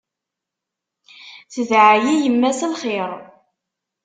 Tedɛa-yi yemma s lxir.